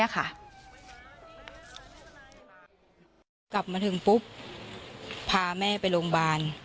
กลับมาถึงปุ๊บพาแม่ไปโรงพยาบาล